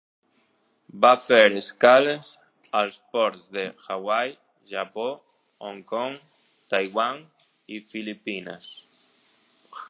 Va fer escales als ports de Hawaii, Japó, Hong Kong, Taiwan i Filipines.